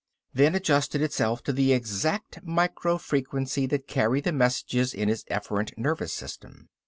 Then adjusted itself to the exact micro frequency that carried the messages in his efferent nervous system.